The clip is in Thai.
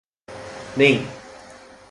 นิ่ง